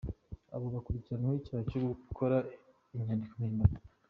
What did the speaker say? Abo bakurikiranweho icyaha cyo gukora inyandiko mpimbano.